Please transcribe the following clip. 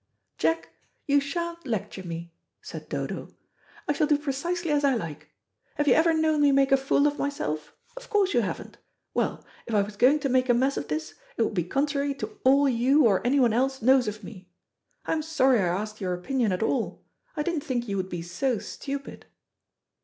"Jack, you sha'n't lecture me," said Dodo; "I shall do precisely as I like. Have you ever known me make a fool of myself? Of course you haven't. Well, if I was going to make a mess of this, it would be contrary to all you or anyone else knows of me. I'm sorry I asked your opinion at all. I didn't think you would be so stupid."